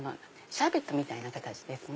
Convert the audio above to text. シャーベットみたいな形ですね。